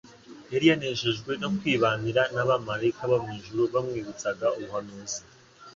Yari yanejejwe no kwibanira n'abamaraika bo mu ijuru bamwibutsaga ubuhanuzi